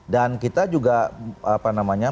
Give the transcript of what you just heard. dan kita juga apa namanya